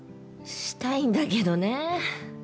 したいんだけどねぇ。